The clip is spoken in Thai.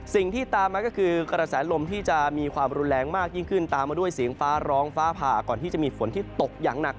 สิ่งที่ตามมาก็คือกระแสลมที่จะมีความรุนแรงมากยิ่งขึ้นตามมาด้วยเสียงฟ้าร้องฟ้าผ่าก่อนที่จะมีฝนที่ตกอย่างหนัก